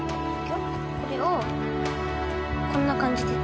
これをこんな感じで。